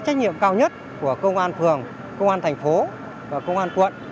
trách nhiệm cao nhất của công an phường công an thành phố và công an quận